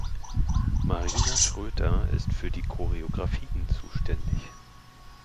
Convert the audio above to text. Marina Schröter ist für die Choreografien zuständig.